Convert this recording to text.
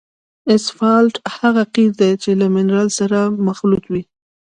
اسفالټ هغه قیر دی چې له منرال سره مخلوط وي